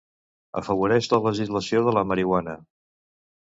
Afavoreix la legalització de la marihuana.